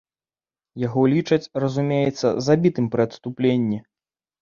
Яго лічаць, разумеецца, забітым пры адступленні.